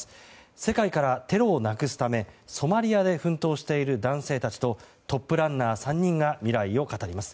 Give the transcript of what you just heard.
世界からテロをなくすためソマリアで奮闘している男性たちとトップランナー３人が未来を語ります。